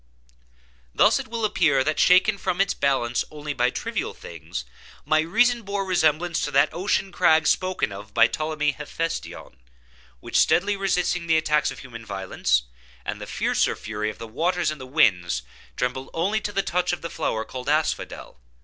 Thus it will appear that, shaken from its balance only by trivial things, my reason bore resemblance to that ocean crag spoken of by Ptolemy Hephestion, which steadily resisting the attacks of human violence, and the fiercer fury of the waters and the winds, trembled only to the touch of the flower called Asphodel.